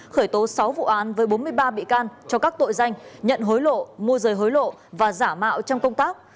khởi tố sáu vụ án với bốn mươi ba bị can cho các tội danh nhận hối lộ môi rời hối lộ và giả mạo trong công tác